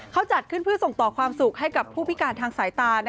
เขาจัดขึ้นเพื่อส่งต่อความสุขให้กับผู้พิการทางสายตา